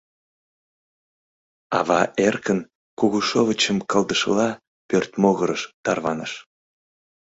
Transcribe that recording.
Ава эркын, кугу шовычым кылдышыла, пӧрт могырыш тарваныш.